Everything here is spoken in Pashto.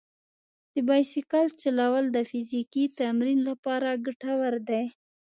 د بایسکل چلول د فزیکي تمرین لپاره ګټور دي.